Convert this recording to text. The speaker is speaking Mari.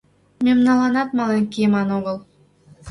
Мемналанат мален кийыман огыл.